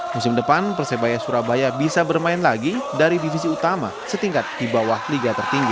musim depan persebaya surabaya bisa bermain lagi dari divisi utama setingkat di bawah liga tertinggi